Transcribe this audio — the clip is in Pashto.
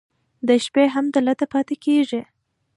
د شپې هم دلته پاتې کېږي.